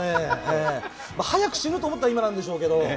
早く死ぬと思ったら今なんでしょうけど。